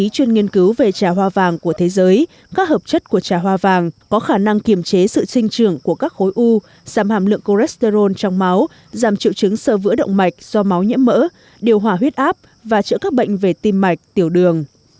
các chuyên nghiên cứu về trà hoa vàng của thế giới các hợp chất của trà hoa vàng có khả năng kiểm chế sự sinh trưởng của các khối u giảm hàm lượng cholesterol trong máu giảm triệu chứng sơ vữa động mạch do máu nhiễm mỡ điều hòa huyết áp và chữa các bệnh về tim mạch tiểu đường